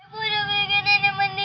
ibu bukan yang mau ninggalin kamu